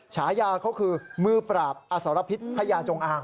ฉายาเขาคือมือปราบอสรพิษพญาจงอาง